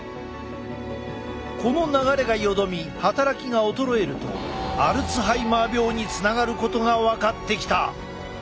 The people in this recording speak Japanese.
この流れがよどみ働きが衰えるとアルツハイマー病につながることが分かってきた！